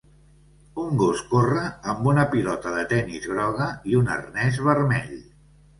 Un gos corre amb una pilota de tenis groga i un arnès vermell.